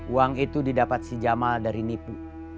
uang itu di dapat si jamal dari nipu